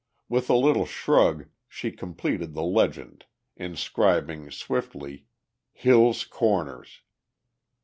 With a little shrug, she completed the legend, inscribing swiftly, "Hill's Corners."